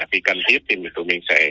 vì cần thiết thì tụi mình sẽ tiếp hành